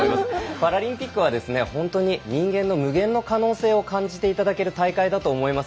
パラリンピックは人間の無限の可能性を感じていただける大会だと思います。